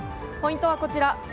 ポイントはこちら。